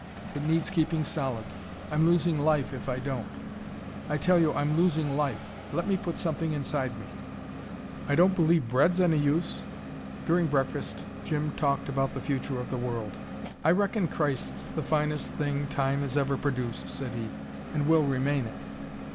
It needs keeping solid. I'm losing life, if I don't. I tell you I'm losing life. Let me put something inside me." "I don't believe bread's any use." During breakfast Jim talked about the future of the world. "I reckon Christ's the finest thing time has ever produced," said he; "and will remain it."